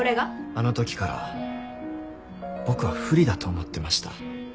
あの時から僕は不利だと思ってました。